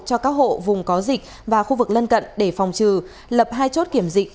cho các hộ vùng có dịch và khu vực lân cận để phòng trừ lập hai chốt kiểm dịch